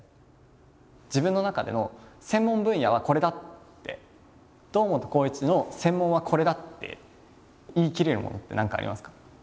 自分の中での専門分野はこれだって堂本光一の専門はこれだって言い切れるものって何かありますか？